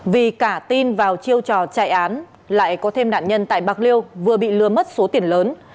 vì cả tin vào chiêu trò chạy án lại có thêm nạn nhân tại bạc liêu vừa bị lừa mất số tiền lớn